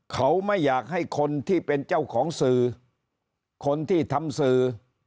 เขาไม่อยากให้คนที่เป็นเจ้าของสื่อคนที่ทำสื่อ